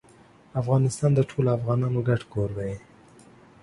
افغانستان د ټولو افغانانو ګډ کور دی.